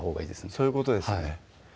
そういうことですね